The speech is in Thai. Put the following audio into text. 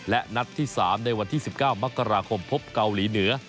และนัดที่๓ในวันที่๑๙มกราคมพบเกาหลีเหนือ